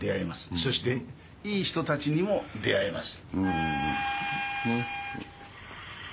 そしていい人たちにも出会えます。